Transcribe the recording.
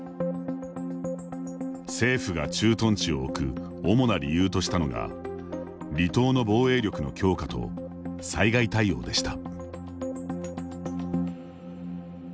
政府が駐屯地を置く主な理由としたのが離島の防衛力の強化と災害対応でした。